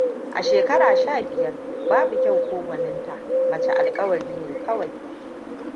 A shekara sha biyar, babu kyau ko gwaninta: mace alkawari ne kowai.